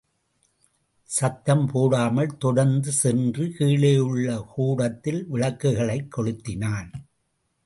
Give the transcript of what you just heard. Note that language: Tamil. சத்தம் போடாமல் தொடர்ந்து சென்று கீழேயுள்ள கூடத்தில் விளக்குகளைக் கொளுத்தினான்.